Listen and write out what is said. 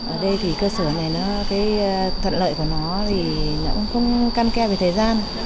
ở đây thì cơ sở này thận lợi của nó cũng không can keo với thời gian